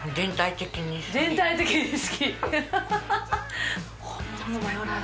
全体的に好き。